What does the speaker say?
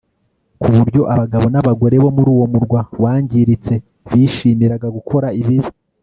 ku buryo abagabo n'abagore bo muri uwo murwa wangiritse bishimiraga gukora ibibi